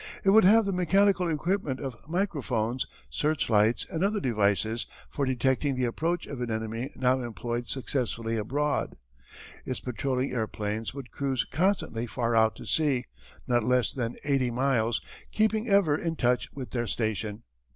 It would have the mechanical equipment of microphones, searchlights, and other devices for detecting the approach of an enemy now employed successfully abroad. Its patrolling airplanes would cruise constantly far out to sea, not less than eighty miles, keeping ever in touch with their station.